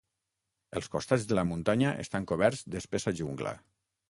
Els costats de la muntanya estan coberts d'espessa jungla.